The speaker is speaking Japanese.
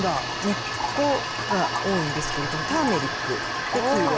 根っこが多いんですけれどもターメリックで黄色。